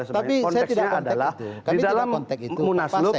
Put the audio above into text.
konteksnya adalah di dalam munasluk